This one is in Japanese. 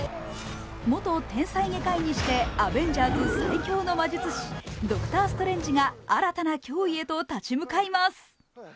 元天才外科医にしてアベンジャーズ最強の魔術師ドクター・ストレンジが新たな脅威へと立ち向かいます。